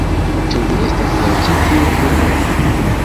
Ĉu vi estas el ĉi tiu urbo?